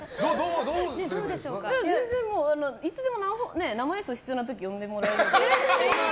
全然、いつでも生演奏必要な時は呼んでもらえたら。